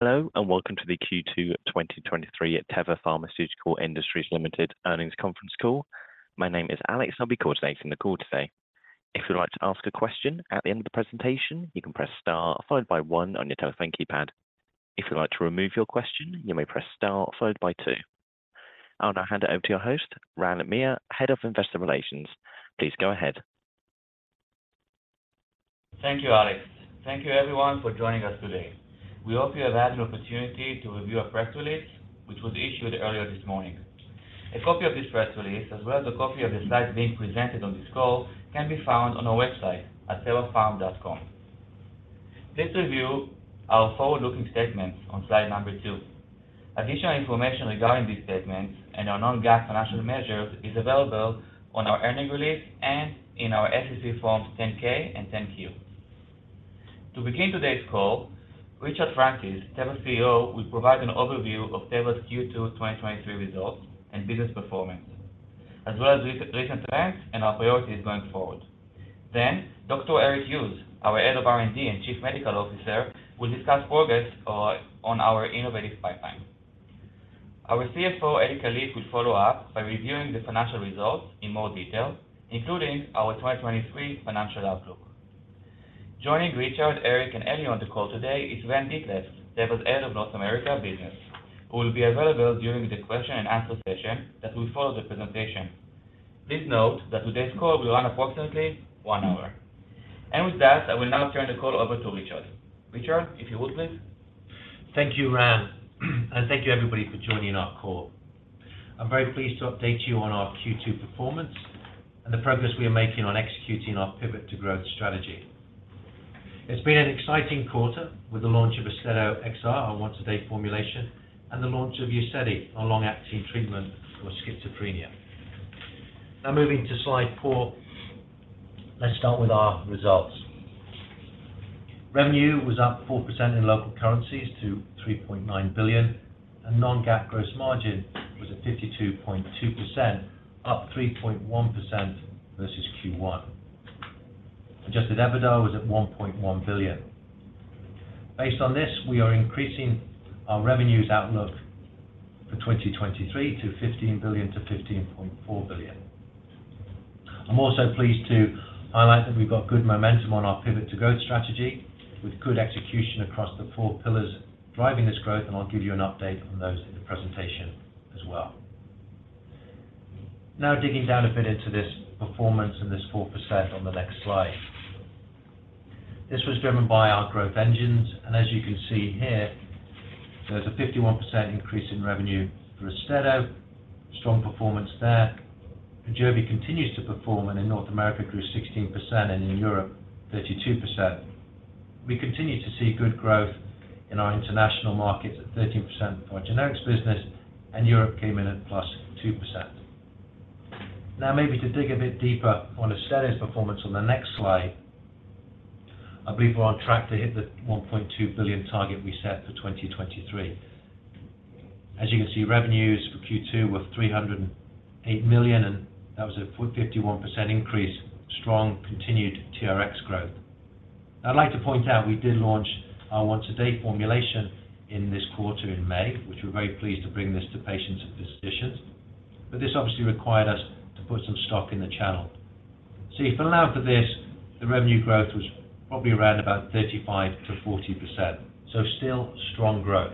Hello, welcome to the Q2 2023 at Teva Pharmaceutical Industries Earnings Conference Call. My name is Alex. I'll be coordinating the call today. If you'd like to ask a question at the end of the presentation, you can press star followed by 1 on your telephone keypad. If you'd like to remove your question, you may press star followed by 2. I'll now hand it over to your host, Ran Meir, Head of Investor Relations. Please go ahead. Thank you, Alex. Thank you, everyone, for joining us today. We hope you have had an opportunity to review our press release, which was issued earlier this morning. A copy of this press release, as well as a copy of the slides being presented on this call, can be found on our website at tevapharm.com. Please review our forward-looking statements on slide number 2. Additional information regarding these statements and our non-GAAP financial measures is available on our earnings release and in our SEC forms Form 10-K and Form 10-Q. To begin today's call, Richard Francis, Teva's CEO, will provide an overview of Teva's Q2 2023 results and business performance, as well as recent trends and our priorities going forward. Dr. Eric Hughes, our Head of R&D and Chief Medical Officer, will discuss progress on our innovative pipeline. Our CFO, Eli Kalif, will follow up by reviewing the financial results in more detail, including our 2023 financial outlook. Joining Richard, Eric, and Eli on the call today is Sven Dethlefs, Teva's Head of North America business, who will be available during the question and answer session that will follow the presentation. Please note that today's call will run approximately one hour. With that, I will now turn the call over to Richard. Richard, if you would, please. Thank you, Ran, and thank you, everybody, for joining our call. I'm very pleased to update you on our Q2 performance and the progress we are making on executing our Pivot to Growth strategy. It's been an exciting quarter with the launch of Austedo XR, our once a day formulation, and the launch of Uzedy, our long-acting treatment for schizophrenia. Now, moving to slide four. Let's start with our results. Revenue was up 4% in local currencies to $3.9 billion, and non-GAAP gross margin was at 52.2%, up 3.1% versus Q1. Adjusted EBITDA was at $1.1 billion. Based on this, we are increasing our revenues outlook for 2023 to $15 billion-$15.4 billion. I'm also pleased to highlight that we've got good momentum on our Pivot to Growth strategy, with good execution across the four pillars driving this growth. I'll give you an update on those in the presentation as well. Digging down a bit into this performance and this 4% on the next slide. This was driven by our growth engines. As you can see here, there's a 51% increase in revenue for Austedo. Strong performance there. Ajovy continues to perform. In North America, grew 16%, in Europe, 32%. We continue to see good growth in our international markets at 13% for our generics business. Europe came in at +2%. Maybe to dig a bit deeper on Austedo's performance on the next slide. I believe we're on track to hit the $1.2 billion target we set for 2023. As you can see, revenues for Q2 were $308 million, that was a 41% increase. Strong, continued TRX growth. I'd like to point out, we did launch our once a day formulation in this quarter in May, which we're very pleased to bring this to patients and physicians, but this obviously required us to put some stock in the channel. If allowing for this, the revenue growth was probably around about 35%-40%. Still strong growth.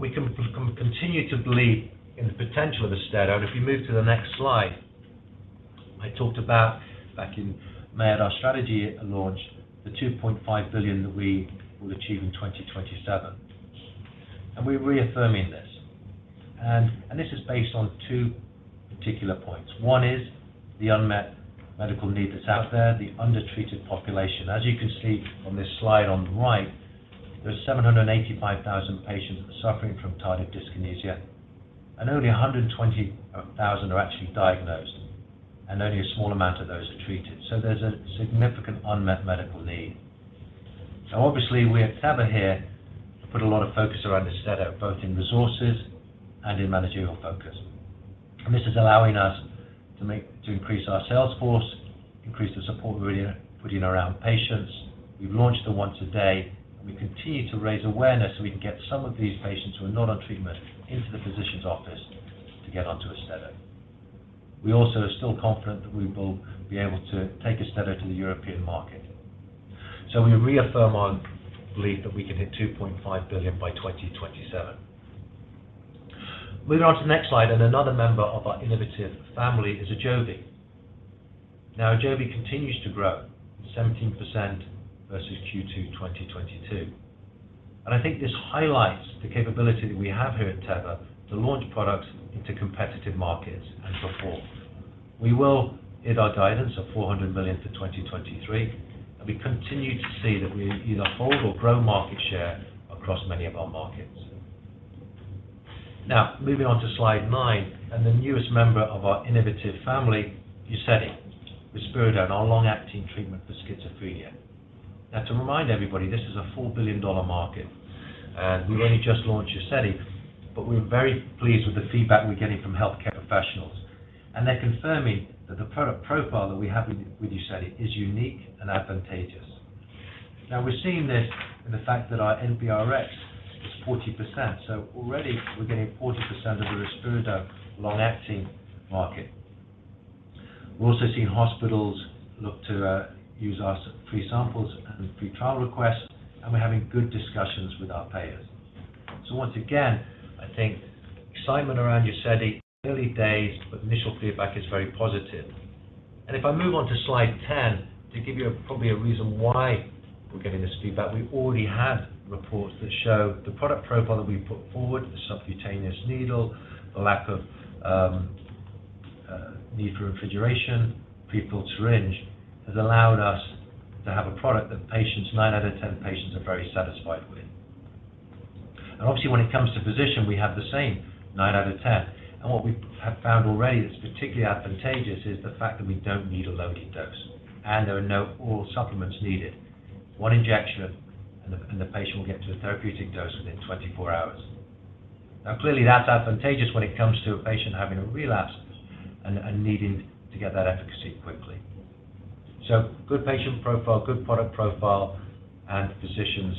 We continue to believe in the potential of Austedo. If you move to the next slide. I talked about, back in May, at our strategy launch, the $2.5 billion that we will achieve in 2027, we're reaffirming this. This is based on two particular points. One is the unmet medical need that's out there, the undertreated population. As you can see on this slide on the right, there's 785,000 patients suffering from tardive dyskinesia, and only 120,000 are actually diagnosed, and only a small amount of those are treated. There's a significant unmet medical need. Obviously, we at Teva here, put a lot of focus around Austedo, both in resources and in managerial focus. This is allowing us to make... To increase our sales force, increase the support we're putting around patients. We've launched the Once a Day, and we continue to raise awareness so we can get some of these patients who are not on treatment into the physician's office to get onto Austedo. We also are still confident that we will be able to take Austedo to the European market. We reaffirm our belief that we can hit $2.5 billion by 2027. Moving on to the next slide, another member of our innovative family is Ajovy. Now, Ajovy continues to grow 17% versus Q2 2022. I think this highlights the capability that we have here at Teva to launch products into competitive markets and perform. We will hit our guidance of $400 million for 2023, and we continue to see that we either hold or grow market share across many of our markets. Now, moving on to Slide nine, the newest member of our innovative family, Uzedy, Risperidone, our long-acting treatment for schizophrenia. To remind everybody, this is a $4 billion market, and we only just launched Uzedy, but we're very pleased with the feedback we're getting from healthcare professionals. They're confirming that the product profile that we have with, with Uzedy is unique and advantageous. We're seeing this in the fact that our NRx is 40%, already we're getting 40% of the Risperidone long-acting market. We're also seeing hospitals look to use our free samples and free trial requests, and we're having good discussions with our payers. Once again, I think excitement around Uzedy, early days, but the initial feedback is very positive. If I move on to slide 10, to give you probably a reason why we're getting this feedback. We've already had reports that show the product profile that we put forward, the subcutaneous needle, the lack of need for refrigeration, pre-filled syringe, has allowed us to have a product that patients, 9 out of 10 patients are very satisfied with. Obviously, when it comes to physician, we have the same, 9 out of 10. What we have found already that's particularly advantageous is the fact that we don't need a loading dose, and there are no oral supplements needed. One injection, and the patient will get to a therapeutic dose within 24 hours. Clearly, that's advantageous when it comes to a patient having a relapse and needing to get that efficacy quickly. Good patient profile, good product profile, and physicians'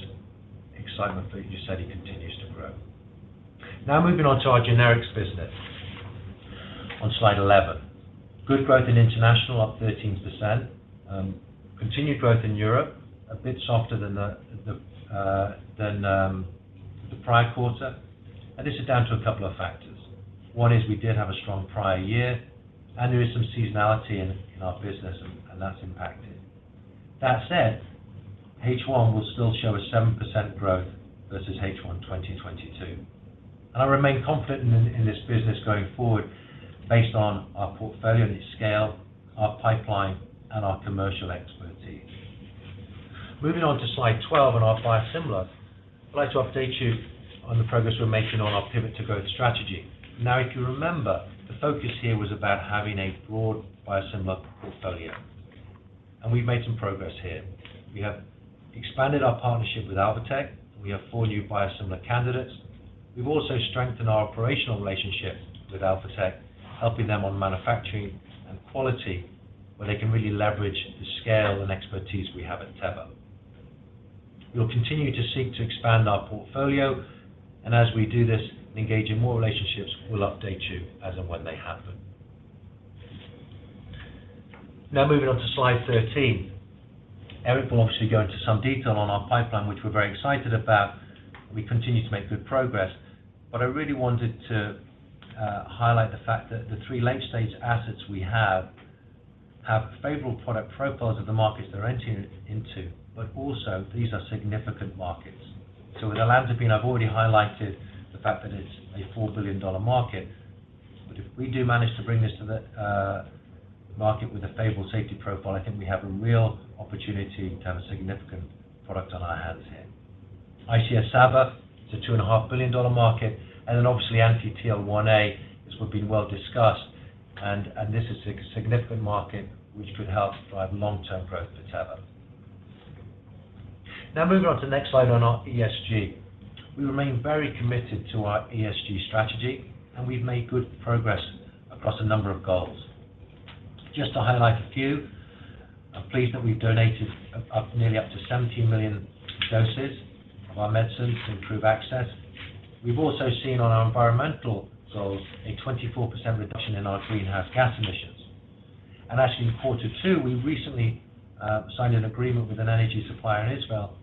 excitement for Uzedy continues to grow. Moving on to our generics business on slide 11. Good growth in international, up 13%. Continued growth in Europe, a bit softer than the prior quarter, and this is down to a couple of factors. One is we did have a strong prior year, and there is some seasonality in our business, and that's impacted. That said, H1 will still show a 7% growth versus H1 2022. I remain confident in this business going forward based on our portfolio and its scale, our pipeline, and our commercial expertise. Moving on to slide 12 on our biosimilar. I'd like to update you on the progress we're making on our Pivot to Growth strategy. Now, if you remember, the focus here was about having a broad biosimilar portfolio, and we've made some progress here. We have expanded our partnership with Alvotech. We have 4 new biosimilar candidates. We've also strengthened our operational relationship with Alvotech, helping them on manufacturing and quality, where they can really leverage the scale and expertise we have at Teva. We'll continue to seek to expand our portfolio, and as we do this, engage in more relationships, we'll update you as and when they happen. Moving on to slide 13. Eric will obviously go into some detail on our pipeline, which we're very excited about. We continue to make good progress, but I really wanted to highlight the fact that the three late-stage assets we have, have favorable product profiles of the markets they're entering into, but also, these are significant markets. With Olanzapine, I've already highlighted the fact that it's a $4 billion market, but if we do manage to bring this to the market with a favorable safety profile, I think we have a real opportunity to have a significant product on our hands here. ICS-SABA, it's a $2.5 billion market, and then obviously, anti-TL1A, as would been well discussed, and this is a significant market which could help drive long-term growth for Teva. Moving on to the next slide on our ESG. We remain very committed to our ESG strategy, and we've made good progress across a number of goals. Just to highlight a few, I'm pleased that we've donated nearly up to 17 million doses of our medicines to improve access. We've also seen on our environmental goals a 24% reduction in our greenhouse gas emissions. Actually, in quarter two, we recently signed an agreement with an energy supplier in Israel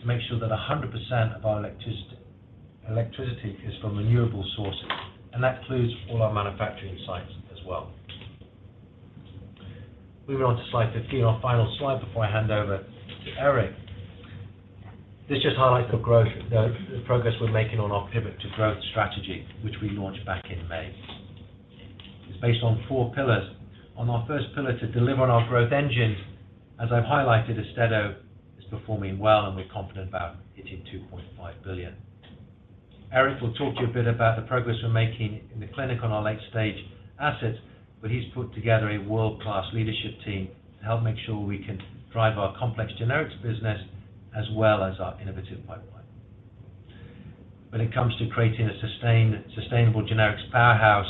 to make sure that 100% of our electricity, electricity is from renewable sources, and that includes all our manufacturing sites as well. Moving on to slide 15, our final slide before I hand over to Eric. This just highlights the growth, the, the progress we're making on our Pivot to Growth strategy, which we launched back in May. It's based on four pillars. On our first pillar, to deliver on our growth engine, as I've highlighted, Austedo is performing well, and we're confident about hitting $2.5 billion. Eric will talk to you a bit about the progress we're making in the clinic on our late-stage assets, but he's put together a world-class leadership team to help make sure we can drive our complex generics business as well as our innovative pipeline. When it comes to creating a sustainable generics powerhouse,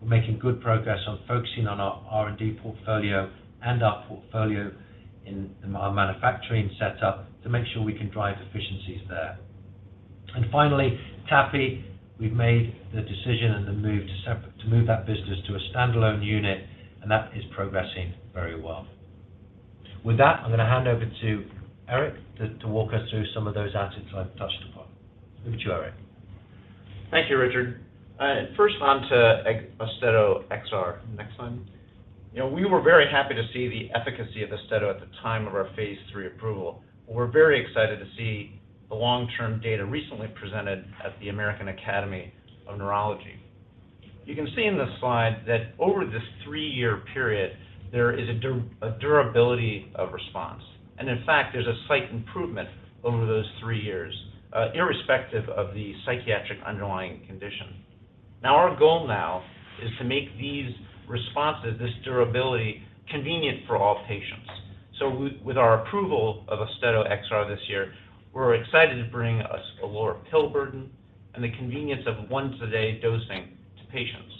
we're making good progress on focusing on our R&D portfolio and our portfolio in our manufacturing setup to make sure we can drive efficiencies there. Finally, TAPI, we've made the decision and the move to separate to move that business to a standalone unit, and that is progressing very well. With that, I'm going to hand over to Eric to walk us through some of those assets I've touched upon. Over to you, Eric. Thank you, Richard. First on to Austedo XR. Next slide. You know, we were very happy to see the efficacy of Austedo at the time of our phase III approval. We're very excited to see the long-term data recently presented at the American Academy of Neurology. You can see in this slide that over this three-year period, there is a durability of response. In fact, there's a slight improvement over those 3 years, irrespective of the psychiatric underlying condition. Now, our goal now is to make these responses, this durability, convenient for all patients. With our approval of Austedo XR this year, we're excited to bring a lower pill burden and the convenience of once-a-day dosing to patients.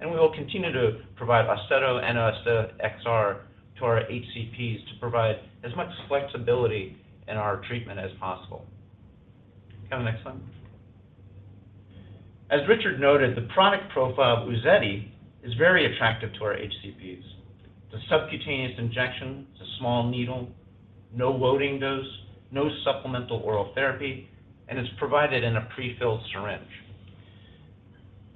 We will continue to provide Austedo and Austedo XR to our HCPs to provide as much flexibility in our treatment as possible. Go to the next slide. As Richard noted, the product profile of Uzedy is very attractive to our HCPs. It's a subcutaneous injection, it's a small needle, no loading dose, no supplemental oral therapy, and it's provided in a prefilled syringe.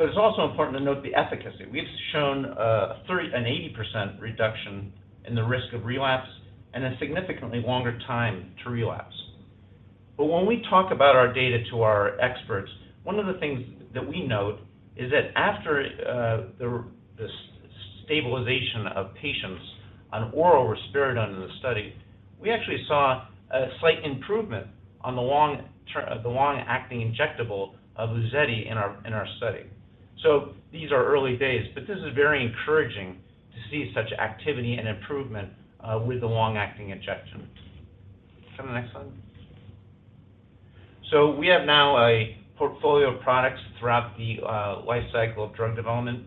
It's also important to note the efficacy. We've shown an 80% reduction in the risk of relapse and a significantly longer time to relapse. When we talk about our data to our experts, one of the things that we note is that after, the, the stabilization of patients on oral Risperidone in the study, we actually saw a slight improvement on the long-acting injectable of Uzedy in our, in our study. These are early days, but this is very encouraging to see such activity and improvement with the long-acting injection. Go to the next slide. We have now a portfolio of products throughout the life cycle of drug development.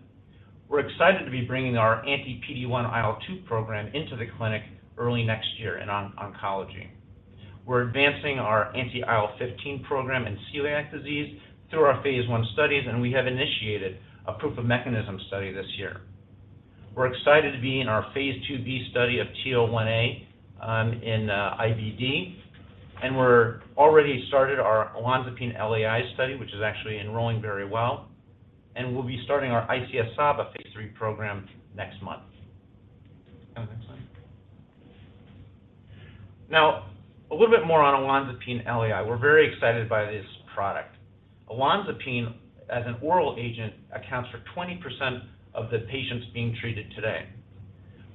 We're excited to be bringing our anti-PD-1-IL-2 program into the clinic early next year in oncology. We're advancing our anti-IL-15 program in celiac disease through our phase I studies, and we have initiated a proof of mechanism study this year. We're excited to be in our phase IIb study of TO1A in IBD, and we're already started our olanzapine LAI study, which is actually enrolling very well, and we'll be starting our ICS-SABA phase III program next month. Go to the next slide. Now, a little bit more on olanzapine LAI. We're very excited by this product. Olanzapine, as an oral agent, accounts for 20% of the patients being treated today.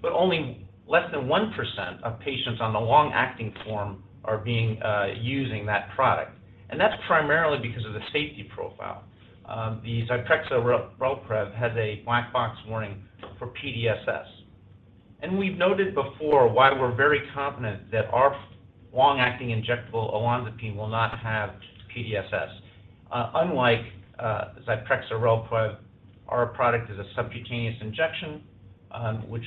Only less than 1% of patients on the long-acting form are being, using that product, and that's primarily because of the safety profile. The Zyprexa Relprevv has a black box warning for PDSS. We've noted before why we're very confident that our long-acting injectable olanzapine will not have PDSS. Unlike Zyprexa Relprevv, our product is a subcutaneous injection, which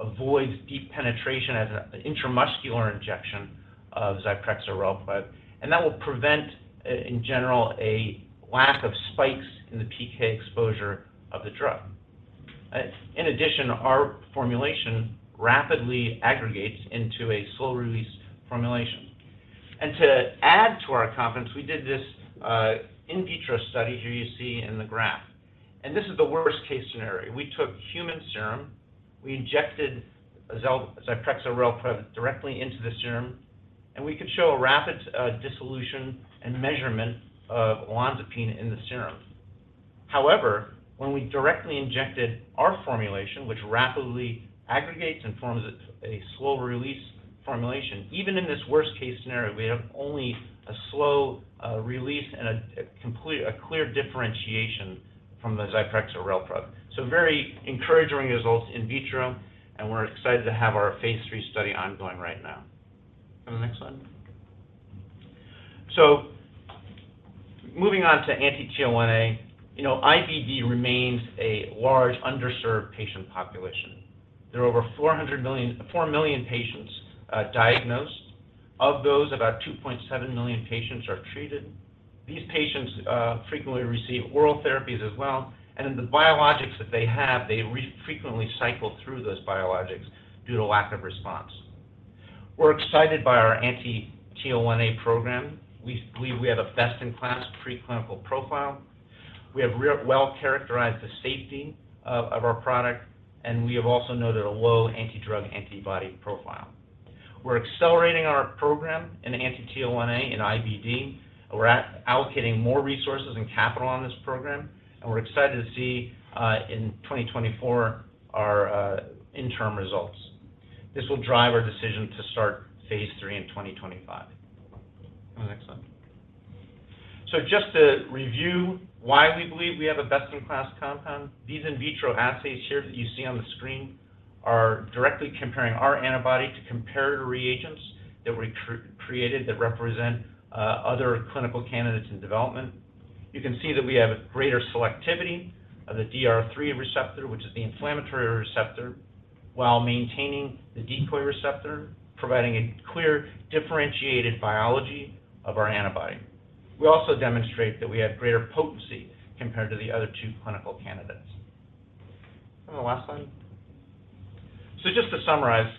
avoids deep penetration as an intramuscular injection of Zyprexa Relprevv, and that will prevent, in general, a lack of spikes in the PK exposure of the drug. In addition, our formulation rapidly aggregates into a slow-release formulation. To add to our confidence, we did this in vitro study here you see in the graph, and this is the worst-case scenario. We took human serum, we injected Zyprexa Relprevv directly into the serum, and we could show a rapid dissolution and measurement of olanzapine in the serum. However, when we directly injected our formulation, which rapidly aggregates and forms a slow-release formulation, even in this worst-case scenario, we have only a slow release and a clear differentiation from the Zyprexa Relprevv. Very encouraging results in vitro, and we're excited to have our phase III study ongoing right now. Go to the next slide. Moving on to anti-TL1A. You know, IBD remains a large underserved patient population. There are over 4 million patients diagnosed. Of those, about 2.7 million patients are treated. These patients frequently receive oral therapies as well. In the biologics that they have, they frequently cycle through those biologics due to lack of response. We're excited by our anti-TL1A program. We believe we have a best-in-class preclinical profile. We have well characterized the safety of our product, and we have also noted a low anti-drug antibody profile. We're accelerating our program in anti-TL1A in IBD. We're allocating more resources and capital on this program, and we're excited to see in 2024, our interim results. This will drive our decision to start phase III in 2025. Go to the next slide. Just to review why we believe we have a best-in-class compound, these in vitro assays here that you see on the screen are directly comparing our antibody to comparator reagents that we created that represent other clinical candidates in development. You can see that we have a greater selectivity of the DR3 receptor, which is the inflammatory receptor, while maintaining the decoy receptor, providing a clear, differentiated biology of our antibody. We also demonstrate that we have greater potency compared to the other two clinical candidates. Go to the last slide. Just to summarize,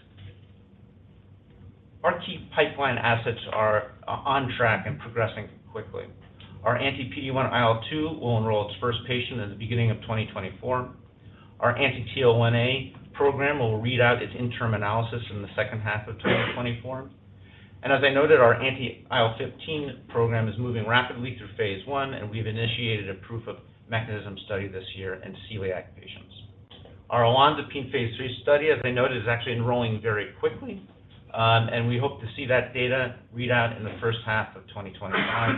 our key pipeline assets are on track and progressing quickly. Our anti-PD-1-IL-2 will enroll its first patient in the beginning of 2024. Our anti-TL1A program will read out its interim analysis in the second half of 2024. As I noted, our anti-IL-15 program is moving rapidly through phase I, and we've initiated a proof of mechanism study this year in celiac patients. Our Olanzapine phase III study, as I noted, is actually enrolling very quickly, and we hope to see that data read out in the first half of 2025.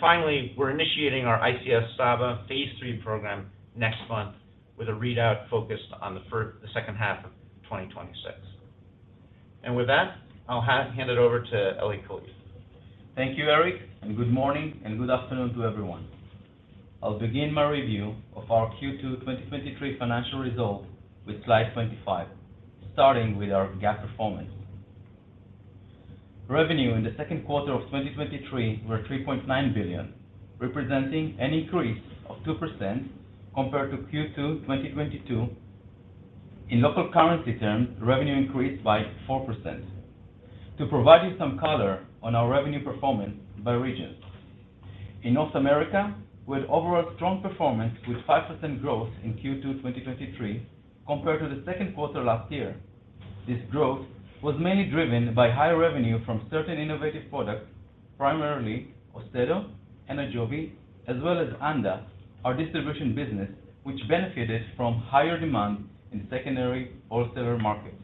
Finally, we're initiating our ICS-SABA phase III program next month. with a readout focused on the second half of 2026. With that, I'll hand it over to Eli Kalif. Thank you, Eric. Good morning and good afternoon to everyone. I'll begin my review of our Q2 2023 financial results with slide 25, starting with our GAAP performance. Revenue in the second quarter of 2023 were $3.9 billion, representing an increase of 2% compared to Q2 2022. In local currency terms, revenue increased by 4%. To provide you some color on our revenue performance by region. In North America, we had overall strong performance, with 5% growth in Q2 2023 compared to the second quarter last year. This growth was mainly driven by higher revenue from certain innovative products, primarily Austedo and Ajovy, as well as Anda, our distribution business, which benefited from higher demand in secondary wholesaler markets.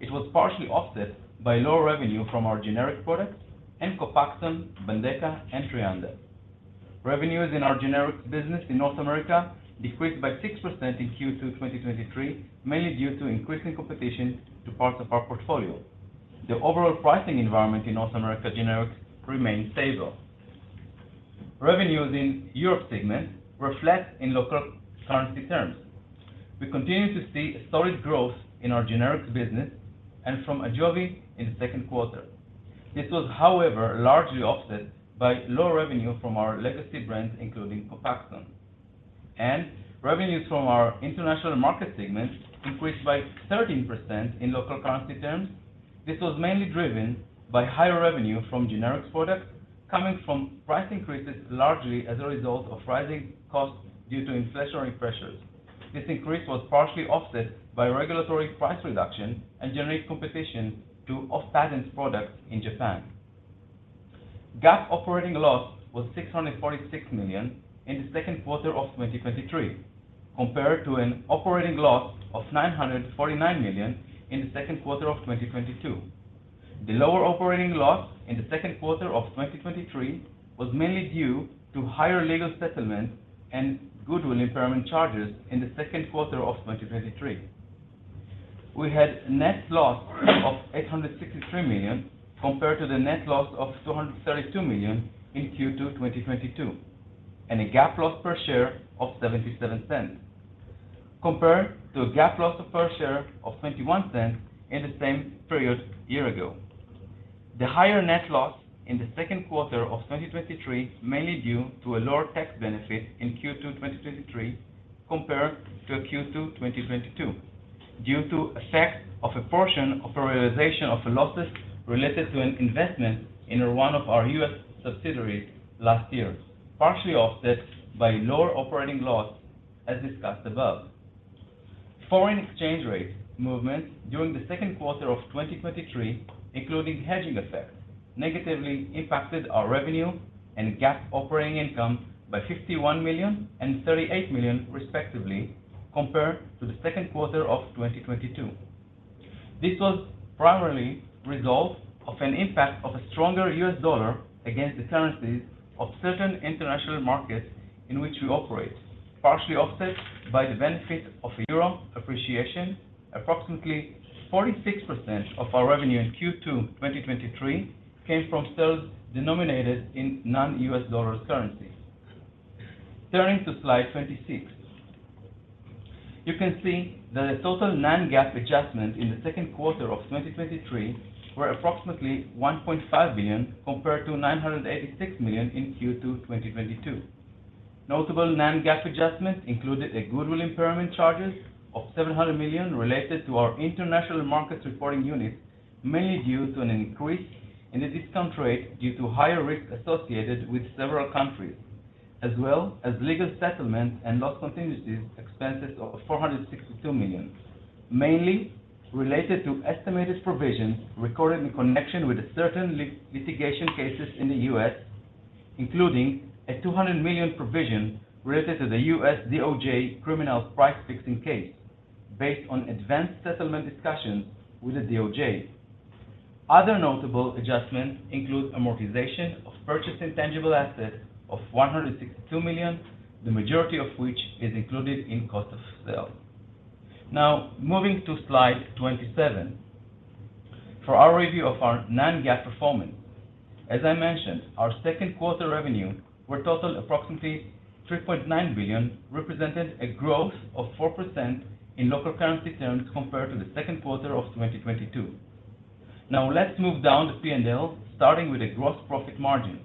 It was partially offset by lower revenue from our generic products and Copaxone, Bendeka and Treanda. Revenues in our generics business in North America decreased by 6% in Q2 2023, mainly due to increasing competition to parts of our portfolio. The overall pricing environment in North America generics remains stable. Revenues in Europe segment were flat in local currency terms. We continue to see a solid growth in our generics business and from Ajovy in the second quarter. This was, however, largely offset by lower revenue from our legacy brands, including Copaxone. Revenues from our international market segment increased by 13% in local currency terms. This was mainly driven by higher revenue from generics products, coming from price increases, largely as a result of rising costs due to inflationary pressures. This increase was partially offset by regulatory price reduction and generic competition to off-patent products in Japan. GAAP operating loss was $646 million in the second quarter of 2023, compared to an operating loss of $949 million in the second quarter of 2022. The lower operating loss in the second quarter of 2023 was mainly due to higher legal settlements and goodwill impairment charges in the second quarter of 2023. We had a net loss of $863 million, compared to the net loss of $232 million in Q2 2022, and a GAAP loss per share of $0.77, compared to a GAAP loss per share of $0.21 in the same period year ago. The higher net loss in the second quarter of 2023, mainly due to a lower tax benefit in Q2 2023, compared to a Q2 2022, due to effect of a portion of a realization of losses related to an investment in one of our U.S. subsidiaries last year, partially offset by lower operating loss, as discussed above. Foreign exchange rate movements during the second quarter of 2023, including hedging effects, negatively impacted our revenue and GAAP operating income by $51 million and $38 million, respectively, compared to the second quarter of 2022. This was primarily result of an impact of a stronger U.S. dollar against the currencies of certain international markets in which we operate, partially offset by the benefit of euro appreciation. Approximately 46% of our revenue in Q2 2023 came from sales denominated in non-U.S. dollar currencies. Turning to slide 26, you can see that the total non-GAAP adjustments in the second quarter of 2023 were approximately $1.5 billion, compared to $986 million in Q2 2022. Notable non-GAAP adjustments included a goodwill impairment charges of $700 million related to our international markets reporting unit, mainly due to an increase in the discount rate due to higher risk associated with several countries, as well as legal settlements and loss contingencies expenses of $462 million, mainly related to estimated provisions recorded in connection with certain litigation cases in the U.S., including a $200 million provision related to the U.S. DOJ criminal price-fixing case based on advanced settlement discussions with the DOJ. Other notable adjustments include amortization of purchased intangible assets of $162 million, the majority of which is included in cost of sale. Moving to slide 27, for our review of our non-GAAP performance. As I mentioned, our second quarter revenue were totaled approximately $3.9 billion, represented a growth of 4% in local currency terms compared to the second quarter of 2022. Let's move down the P&L, starting with the gross profit margin.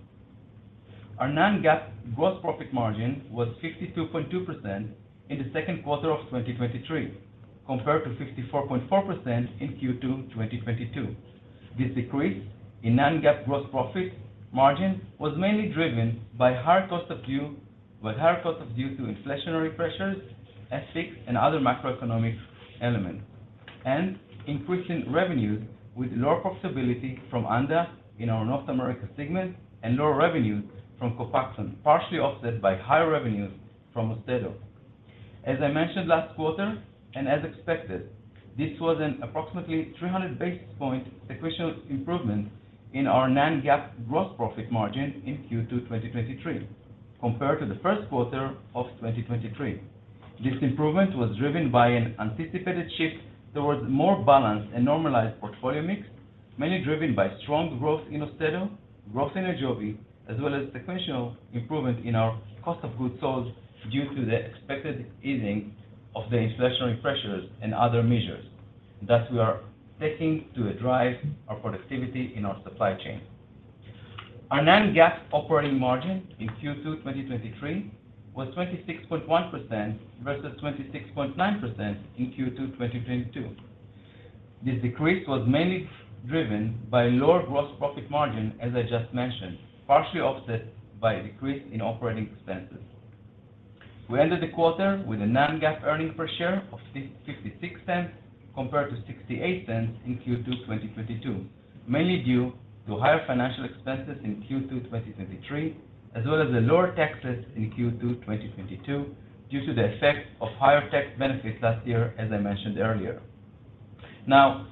Our non-GAAP gross profit margin was 52.2% in the second quarter of 2023, compared to 54.4% in Q2 2022. This decrease in non-GAAP gross profit margin was mainly driven by higher costs of by higher costs of due to inflationary pressures, FX and other macroeconomic elements, and increasing revenues with lower profitability from Anda in our North America segment and lower revenues from Copaxone, partially offset by higher revenues from Austedo. As I mentioned last quarter, and as expected...... This was an approximately 300 basis point sequential improvement in our non-GAAP gross profit margin in Q2 2023, compared to the first quarter of 2023. This improvement was driven by an anticipated shift towards more balanced and normalized portfolio mix, mainly driven by strong growth in Austedo, growth in Ajovy, as well as sequential improvement in our cost of goods sold due to the expected easing of the inflationary pressures and other measures that we are taking to drive our productivity in our supply chain. Our non-GAAP operating margin in Q2 2023 was 26.1% versus 26.9% in Q2 2022. This decrease was mainly driven by lower gross profit margin, as I just mentioned, partially offset by a decrease in operating expenses. We ended the quarter with a non-GAAP earnings per share of $0.66, compared to $0.68 in Q2 2022, mainly due to higher financial expenses in Q2 2023, as well as the lower taxes in Q2 2022, due to the effect of higher tax benefits last year, as I mentioned earlier.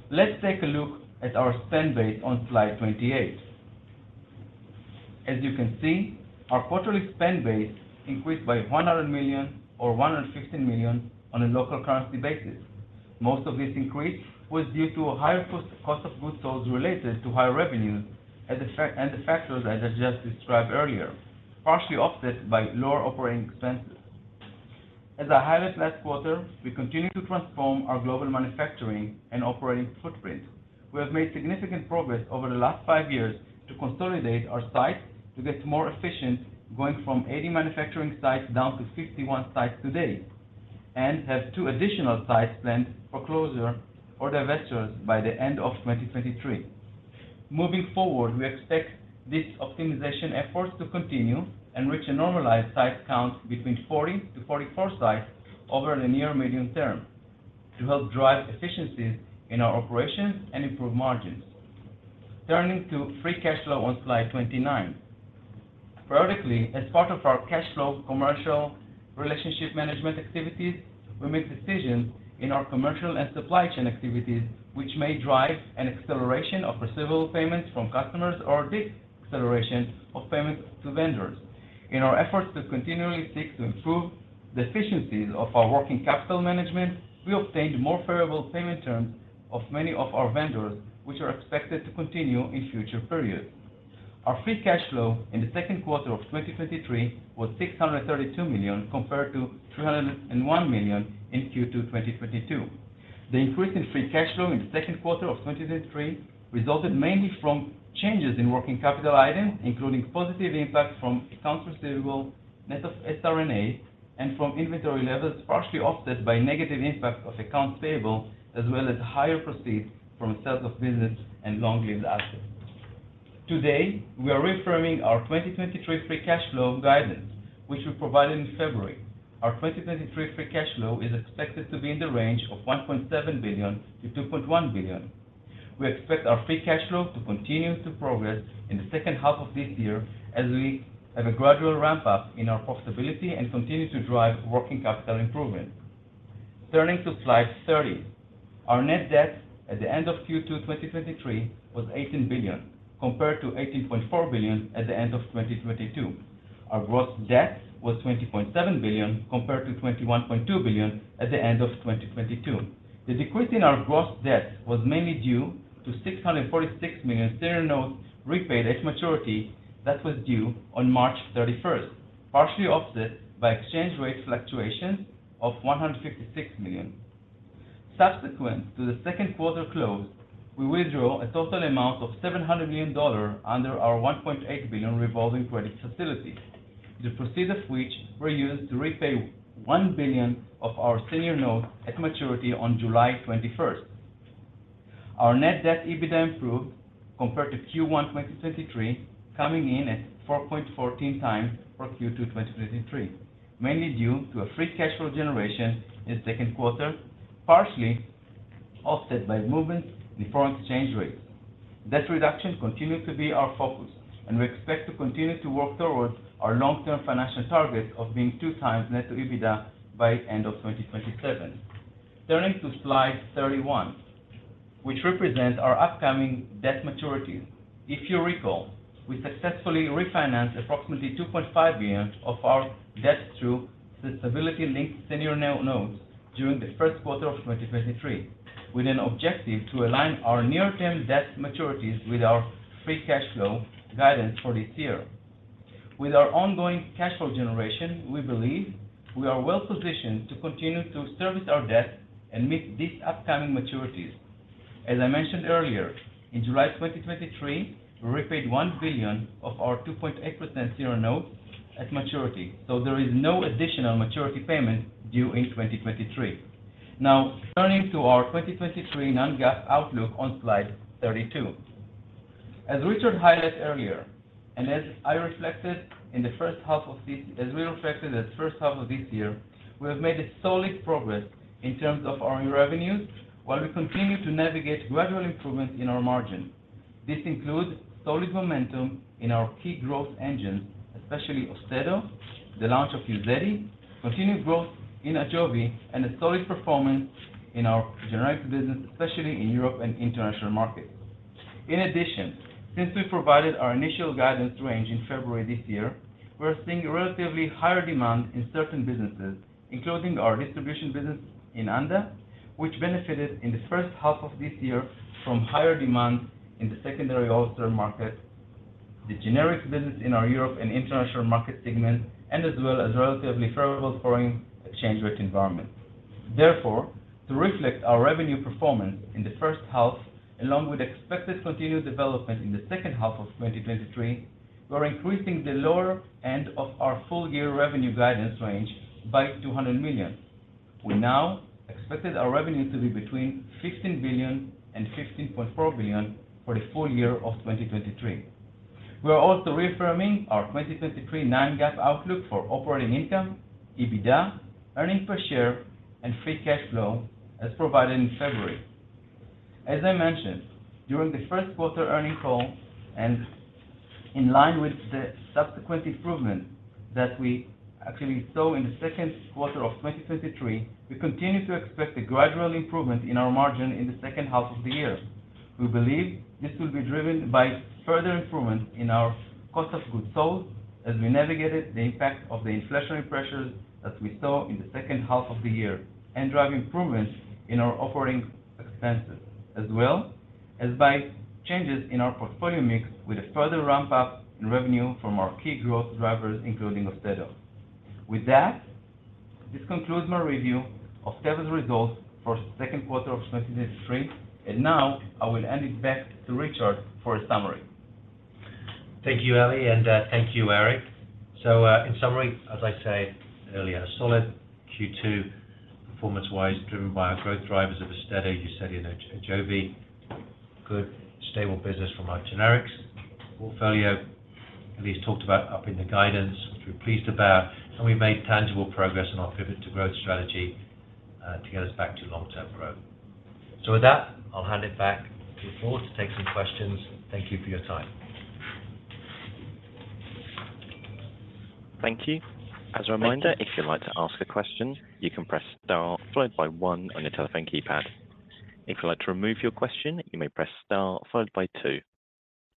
Let's take a look at our spend base on slide 28. As you can see, our quarterly spend base increased by $100 million or $115 million on a local currency basis. Most of this increase was due to a higher cost, cost of goods sold related to higher revenues, and the factors as I just described earlier, partially offset by lower operating expenses. As I highlighted last quarter, I continue to transform our global manufacturing and operating footprint. We have made significant progress over the last five years to consolidate our sites to get more efficient, going from 80 manufacturing sites down to 51 sites today, and have two additional sites planned for closure or divestitures by the end of 2023. Moving forward, we expect these optimization efforts to continue and reach a normalized site count between 40-44 sites over the near medium term, to help drive efficiencies in our operations and improve margins. Turning to free cash flow on slide 29. Periodically, as part of our cash flow commercial relationship management activities, we make decisions in our commercial and supply chain activities, which may drive an acceleration of receivable payments from customers or deceleration of payments to vendors. In our efforts to continually seek to improve the efficiencies of our working capital management, we obtained more favorable payment terms of many of our vendors, which are expected to continue in future periods. Our free cash flow in the second quarter of 2023 was $632 million, compared to $301 million in Q2 2022. The increase in free cash flow in the second quarter of 2023 resulted mainly from changes in working capital items, including positive impacts from accounts receivable, net of SR&A, and from inventory levels, partially offset by negative impact of accounts payable, as well as higher proceeds from sales of business and long-lived assets. Today, we are reaffirming our 2023 free cash flow guidance, which we provided in February. Our 2023 free cash flow is expected to be in the range of $1.7 billion-$2.1 billion. We expect our free cash flow to continue to progress in the second half of this year, as we have a gradual ramp-up in our profitability and continue to drive working capital improvement. Turning to slide 30. Our net debt at the end of Q2 2023 was $18 billion, compared to $18.4 billion at the end of 2022. Our gross debt was $20.7 billion, compared to $21.2 billion at the end of 2022. The decrease in our gross debt was mainly due to $646 million senior notes repaid at maturity that was due on March 31st, partially offset by exchange rate fluctuations of $156 million. Subsequent to the second quarter close, we withdrew a total amount of $700 million under our $1.8 billion revolving credit facility, the proceeds of which were used to repay $1 billion of our senior notes at maturity on July 21st. Our net debt EBITDA improved compared to Q1 2023, coming in at 4.14x for Q2 2023, mainly due to a free cash flow generation in the second quarter, partially offset by movements in foreign exchange rates. Debt reduction continues to be our focus, and we expect to continue to work towards our long-term financial target of being 2x net to EBITDA by end of 2027. Turning to slide 31, which represents our upcoming debt maturities. If you recall, we successfully refinanced approximately $2.5 billion of our debt through the sustainability-linked senior notes during the first quarter of 2023, with an objective to align our near-term debt maturities with our free cash flow guidance for this year. With our ongoing cash flow generation, we believe we are well positioned to continue to service our debt and meet these upcoming maturities. As I mentioned earlier, in July 2023, we repaid $1 billion of our 2.8% senior notes at maturity. There is no additional maturity payment due in 2023. Now, turning to our 2023 non-GAAP outlook on slide 32. As Richard highlighted earlier, and as we reflected at the first half of this year, we have made a solid progress in terms of earning revenues, while we continue to navigate gradual improvements in our margin. This includes solid momentum in our key growth engines, especially Austedo, the launch of Uzedy, continued growth in Ajovy, and a solid performance in our generic business, especially in Europe and international markets. In addition, since we provided our initial guidance range in February this year, we're seeing a relatively higher demand in certain businesses, including our distribution business in Anda, which benefited in the first half of this year from higher demand in the secondary wholesaler market, the generic business in our Europe and international market segment, and as well as relatively favorable foreign exchange rate environment. Therefore, to reflect our revenue performance in the first half, along with expected continued development in the second half of 2023, we are increasing the lower end of our full-year revenue guidance range by $200 million. We now expected our revenue to be between $15 billion and $15.4 billion for the full year of 2023. We are also reaffirming our 2023 non-GAAP outlook for operating income, EBITDA, earnings per share, and free cash flow as provided in February. As I mentioned, during the first quarter earnings call and in line with the subsequent improvement that we actually saw in the second quarter of 2023, we continue to expect a gradual improvement in our margin in the second half of the year. We believe this will be driven by further improvement in our cost of goods sold as we navigated the impact of the inflationary pressures that we saw in the second half of the year, and drive improvements in our operating expenses, as well as by changes in our portfolio mix with a further ramp-up in revenue from our key growth drivers, including Austedo. With that, this concludes my review of Teva's results for 2Q of 2023. Now I will hand it back to Richard for a summary. Thank you, Eli, and thank you, Eric. In summary, as I say, earlier, a solid Q2 performance-wise, driven by our growth drivers of Austedo, Uzedy, and Ajovy. Good, stable business from our generics portfolio. Eli has talked about upping the guidance, which we're pleased about, and we made tangible progress on our Pivot to Growth strategy to get us back to long-term growth. With that, I'll hand it back to the board to take some questions. Thank you for your time. Thank you. As a reminder, if you'd like to ask a question, you can press star followed by 1 on your telephone keypad. If you'd like to remove your question, you may press star followed by 2.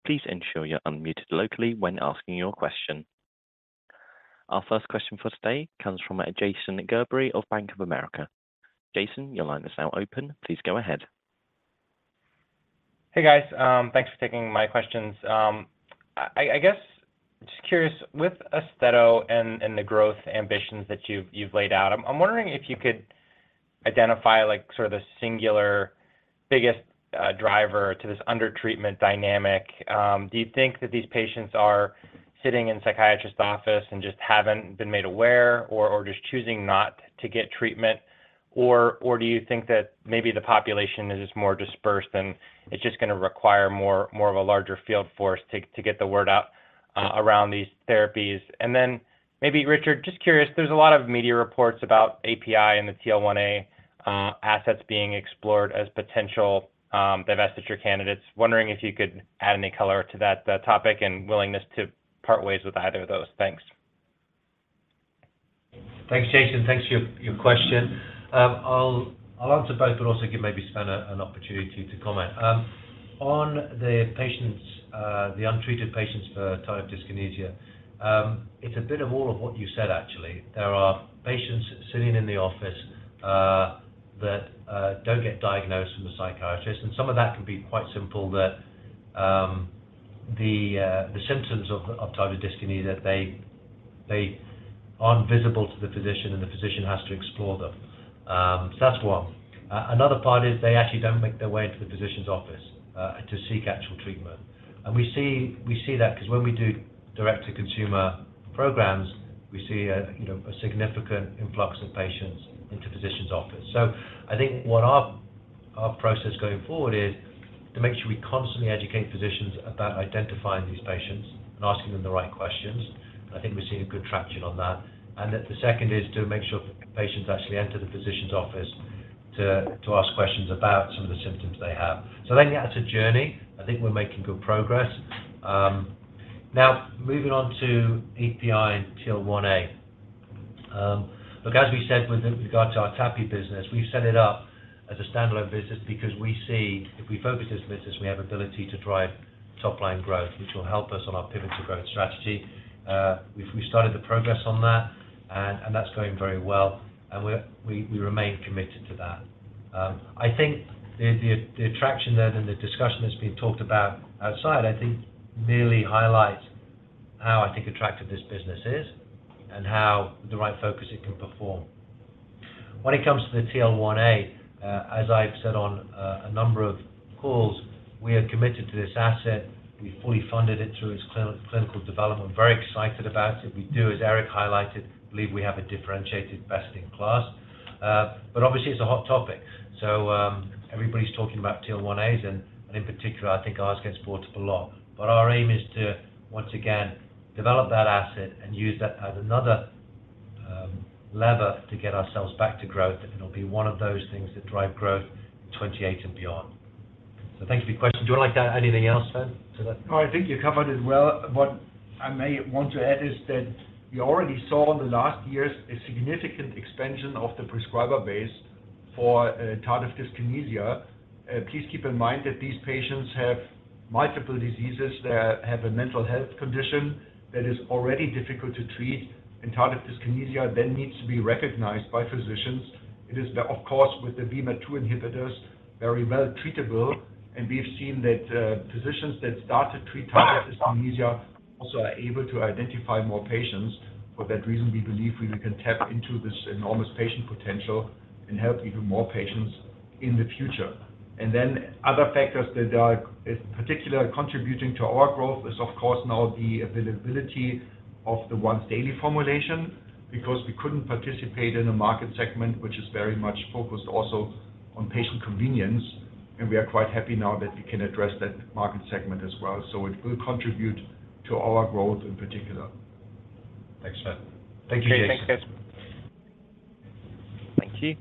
Please ensure you're unmuted locally when asking your question. Our first question for today comes from Jason Gerberry of Bank of America. Jason, your line is now open. Please go ahead. Hey, guys. Thanks for taking my questions. I, I guess, just curious, with Austedo and, and the growth ambitions that you've, you've laid out, I'm, I'm wondering if you could identify, like, sort of the singular biggest driver to this undertreatment dynamic. Do you think that these patients are sitting in psychiatrist's office and just haven't been made aware or, or just choosing not to get treatment? Do you think that maybe the population is just more dispersed and it's just gonna require more, more of a larger field force to, to get the word out around these therapies? Then maybe, Richard, just curious, there's a lot of media reports about API and the anti-TL1A assets being explored as potential divestiture candidates. Wondering if you could add any color to that topic and willingness to part ways with either of those. Thanks. Thanks, Jason. Thanks for your, your question. I'll, I'll answer both, but also give maybe Sven an opportunity to comment. On the patients, the untreated patients for tardive dyskinesia, it's a bit of all of what you said, actually. There are patients sitting in the office, that don't get diagnosed from a psychiatrist, and some of that can be quite simple, that the symptoms of tardive dyskinesia, they, they aren't visible to the physician, and the physician has to explore them. So that's one. Another part is they actually don't make their way to the physician's office, to seek actual treatment. We see, we see that 'cause when we do direct-to-consumer programs, we see a, you know, a significant influx of patients into physician's office. I think what our, our process going forward is to make sure we constantly educate physicians about identifying these patients and asking them the right questions. I think we're seeing a good traction on that. The second is to make sure patients actually enter the physician's office to, to ask questions about some of the symptoms they have. I think that's a journey. I think we're making good progress. Now, moving on to API and anti-TL1A. Look, as we said with regard to our TAPI business, we've set it up as a standalone business because we see if we focus this business, we have ability to drive top-line growth, which will help us on our Pivot to Growth strategy. We've, we started the progress on that, and, and that's going very well, and we, we remain committed to that. I think the, the, the attraction there and the discussion that's being talked about outside, I think, merely highlights how, I think, attractive this business is and how with the right focus it can perform. When it comes to the anti-TL1A, as I've said on a number of calls, we are committed to this asset. We fully funded it through its clin- clinical development. Very excited about it. We do, as Eric highlighted, believe we have a differentiated best-in-class. Obviously, it's a hot topic, so everybody's talking about TL1As, and, and in particular, I think ours gets talked about a lot. Our aim is to, once again, develop that asset and use that as another-... lever to get ourselves back to growth, and it'll be one of those things that drive growth in 2028 and beyond. Thank you for your question. Do you want to add anything else, Sven, to that? No, I think you covered it well. What I may want to add is that we already saw in the last years a significant expansion of the prescriber base for tardive dyskinesia. Please keep in mind that these patients have multiple diseases, that have a mental health condition that is already difficult to treat, and tardive dyskinesia then needs to be recognized by physicians. It is, of course, with the VMAT2 inhibitors, very well treatable, and we've seen that physicians that start to treat tardive dyskinesia also are able to identify more patients. For that reason, we believe we can tap into this enormous patient potential and help even more patients in the future. Other factors that are, particularly contributing to our growth is, of course, now the availability of the once-daily formulation, because we couldn't participate in a market segment, which is very much focused also on patient convenience, and we are quite happy now that we can address that market segment as well. It will contribute to our growth in particular. Thanks, Sven. Thank you, Jason. Thank you, Jason. Thank you.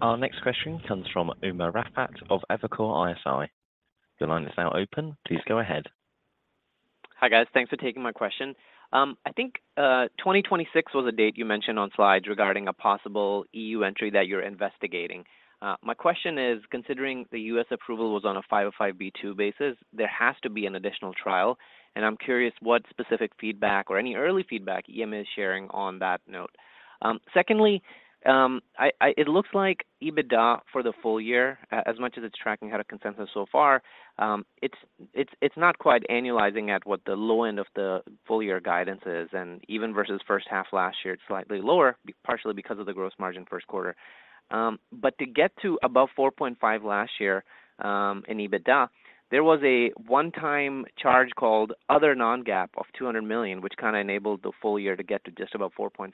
Our next question comes from Umer Raffat of Evercore ISI. Your line is now open, please go ahead. Hi, guys. Thanks for taking my question. I think 2026 was a date you mentioned on slides regarding a possible EU entry that you're investigating. My question is, considering the U.S. approval was on a 505(b)(2) basis, there has to be an additional trial, and I'm curious what specific feedback or any early feedback EMA is sharing on that note. Secondly, it looks like EBITDA for the full year, as much as it's tracking ahead of consensus so far, it's not quite annualizing at what the low end of the full year guidance is, and even versus first half last year, it's slightly lower, partially because of the gross margin first quarter. To get to above 4.5 last year, in EBITDA, there was a one-time charge called other non-GAAP of $200 million, which kind of enabled the full year to get to just above 4.5